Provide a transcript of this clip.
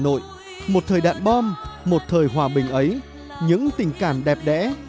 hà nội một thời đạn bom một thời hòa bình ấy những tình cảm đẹp đẽ